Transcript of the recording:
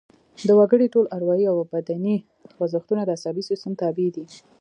د وګړي ټول اروايي او بدني خوځښتونه د عصبي سیستم تابع دي